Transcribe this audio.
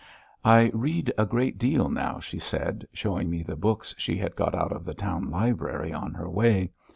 "I read a great deal now," she said, showing me the books she had got out of the town library on her way.